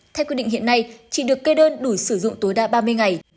theo quy định hiện nay chỉ được kê đơn đủ sử dụng tối đa ba mươi ngày